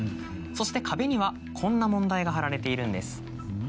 そして壁にはこんな問題が貼られているんです。